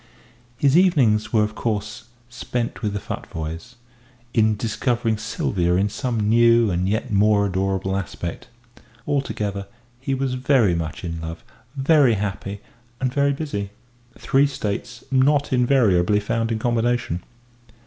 His evenings were of course spent with the Futvoyes, in discovering Sylvia in some new and yet more adorable aspect. Altogether, he was very much in love, very happy, and very busy three states not invariably found in combination.